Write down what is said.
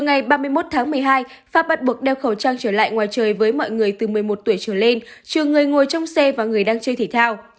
ngày ba mươi một tháng một mươi hai pháp bắt buộc đeo khẩu trang trở lại ngoài trời với mọi người từ một mươi một tuổi trở lên trừ người ngồi trong xe và người đang chơi thể thao